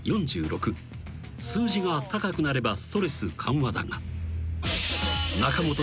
［数字が高くなればストレス緩和だが］